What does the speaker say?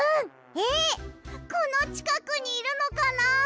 えっこのちかくにいるのかなあ？